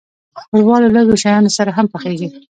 ښوروا له لږو شیانو سره هم پخیږي.